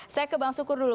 saya ke bang sukur dulu